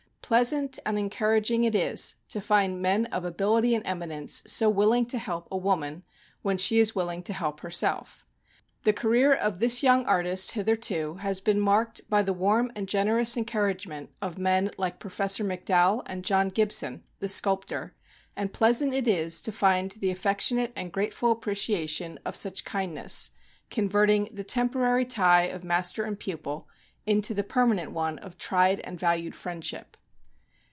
Pleas ant and encouraging it is to find men of ability and eminence so willing to help a woman, when she is willing to help her self. The career of this young artist, hitherto, has been marked by the warm and generous encouragement of men like Professor McDowell and John Gibson, the sculptor, and pleasant it is to find the af fectionate and grateful appreciation of such kindness converting the temporary tie of master and pupil into the permanent one of tried and valued friendship.